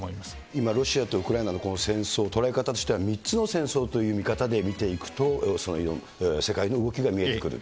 今、ロシアとウクライナのこの戦争、捉え方としては、３つの戦争という見方で見ていくと、世界の動きが見えてくる。